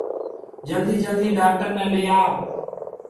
جلدِي جلدِي ڊاڪٽر نَي ليَ آ۔